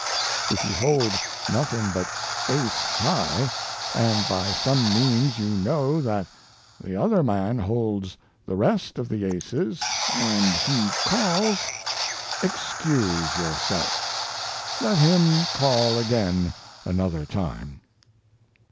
If you hold nothing but ace high, and by some means you know that the other man holds the rest of the aces, and he calls, excuse yourself; let him call again another time.